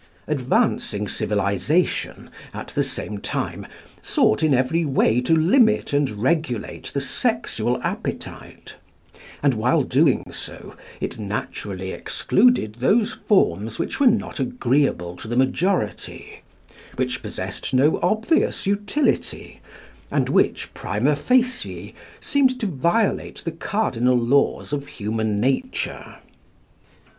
Advancing civilisation, at the same time, sought in every way to limit and regulate the sexual appetite; and while doing so, it naturally excluded those forms which were not agreeable to the majority, which possessed no obvious utility, and which prima facie seemed to violate the cardinal laws of human nature.